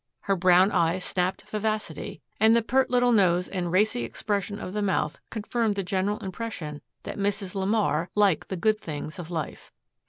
Her brown eyes snapped vivacity, and the pert little nose and racy expression of the mouth confirmed the general impression that Mrs. LeMar liked the good things of life.